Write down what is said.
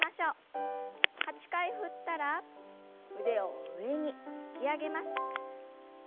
８回振ったら腕を上に引き上げます。